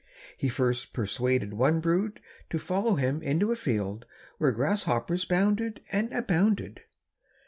He first persuaded one brood to follow him into a field where grasshoppers bounded and abounded.